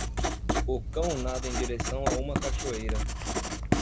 O cão nada em direção a uma cachoeira.